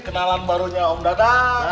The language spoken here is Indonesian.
kenalan barunya om dadang